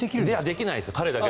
できないですよ。